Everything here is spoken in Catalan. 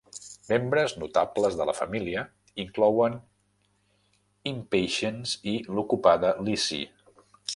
Membres notables de la família inclouen impatiens i l'ocupada Lizzie.